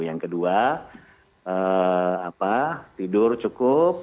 yang kedua tidur cukup